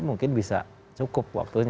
mungkin bisa cukup waktunya